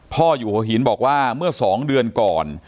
พ่ออยู่หัวหินบอกว่าเมื่อ๒เดือนก่อน